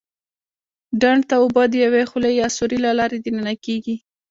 ډنډ ته اوبه د یوې خولې یا سوري له لارې دننه کېږي.